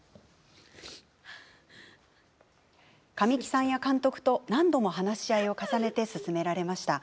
神木さんや監督と、何度も話し合いを重ねて進められました。